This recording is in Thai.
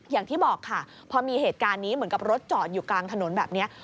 อย่างที่บอกค่ะพอมีเหตุการณ์นี้เหมือนกับรถจอดอยู่กลางถนนแบบนี้